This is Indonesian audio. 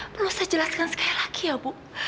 perlu saya jelaskan sekali lagi ya bu